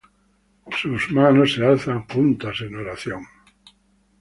Sus manos se alzan juntas en oración.